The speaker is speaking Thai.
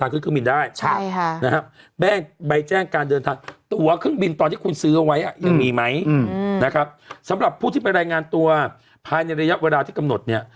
ยังมีไหมอืมนะครับสำหรับผู้ที่ไปรายงานตัวภายในระยะเวลาที่กำหนดเนี้ย